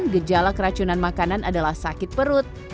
gejala keracunan makanan adalah sakit perut